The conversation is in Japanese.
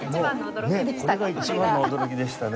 一番の驚きでしたね。